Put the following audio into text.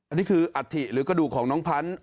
อันนี้คืออัฐิหรือกระดูกของน้องพันธุ์